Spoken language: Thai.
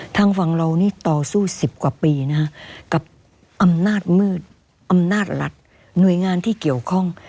ทางฝั่งเรานี่ต่อสู้๑๐กว่าปีนะฮะกับอำนาจมืดอำนาจรัฐหน่วยงานที่เกี่ยวข้อง